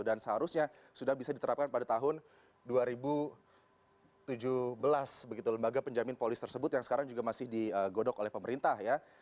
dan seharusnya sudah bisa diterapkan pada tahun dua ribu tujuh belas begitu lembaga penjamin polis tersebut yang sekarang juga masih digodok oleh pemerintah ya